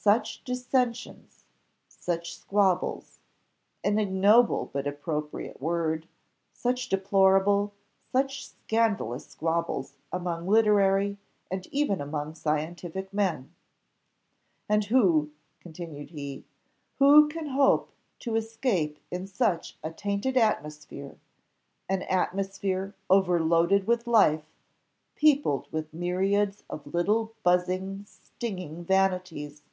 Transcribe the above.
Such dissensions, such squabbles an ignoble but appropriate word such deplorable, such scandalous squabbles among literary, and even among scientific men. "And who," continued he, "who can hope to escape in such a tainted atmosphere an atmosphere overloaded with life, peopled with myriads of little buzzing stinging vanities!